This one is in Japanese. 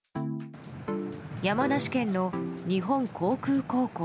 山梨県の日本航空高校。